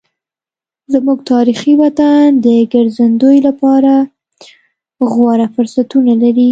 زموږ تاریخي وطن د ګرځندوی لپاره غوره فرصتونه لري.